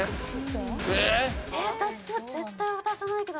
私は絶対渡さないけど。